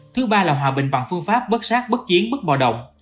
thứ ba là hòa bình bằng phương pháp bất sát bất chiến bất bò động